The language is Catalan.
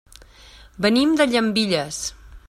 Venim de Llambilles.